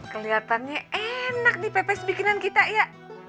kelihatannya enak nih pepes bikinan kita ya